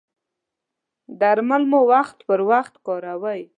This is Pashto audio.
درمل مو وخت پر وخت کاروئ؟